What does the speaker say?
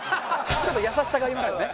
ちょっと優しさがありますよね。